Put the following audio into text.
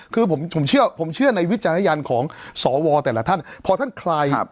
คือผมเชื่อผมเชื่อในวิจารณญาณของสวแต่ละท่านพอท่านใคร